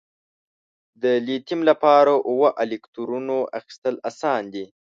د لیتیم لپاره اووه الکترونو اخیستل آسان دي؟